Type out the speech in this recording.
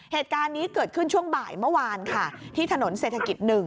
เหตุการณ์นี้เกิดขึ้นช่วงบ่ายเมื่อวานค่ะที่ถนนเศรษฐกิจ๑